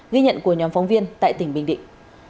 ghi nhận của nhóm phóng viên tại tỉnh bình định